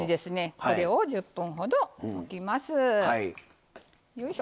ひれを１０分ほど置きます。